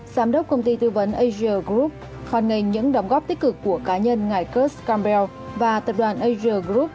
giám đốc công ty tư vấn asia group hoàn nghênh những đóng góp tích cực của cá nhân ngài kurt campbell và tập đoàn asia group